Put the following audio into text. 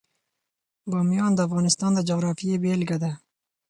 بامیان د افغانستان د جغرافیې بېلګه ده.